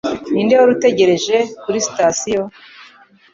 Ninde wari utegereje kuri sitasiyo?